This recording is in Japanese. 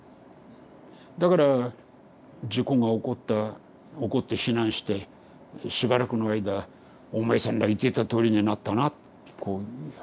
だから事故が起こった起こって避難してしばらくの間「お前さんら言ってたとおりになったな」ってこう。